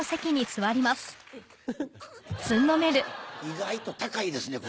意外と高いですね